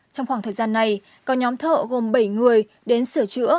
trong khoảng thời gian này có nhóm thợ gồm bảy người đến sửa chữa